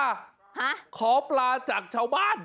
ฮะขอปลาจากชาวบ้าน